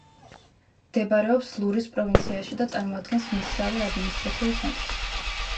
მდებარეობს ღურის პროვინციაში და წარმოადგენს მისსავე ადმინისტრაციულ ცენტრს.